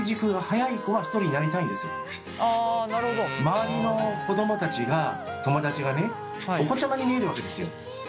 周りの子供たちが友だちがねお子ちゃまに見えるわけですよ。